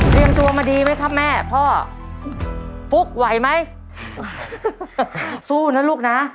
ตัวมาดีไหมครับแม่พ่อฟุ๊กไหวไหมสู้นะลูกนะ